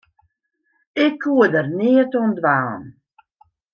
Ik koe der neat oan dwaan.